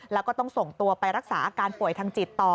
แล้วก็ต้องส่งตัวไปรักษาอาการป่วยทางจิตต่อ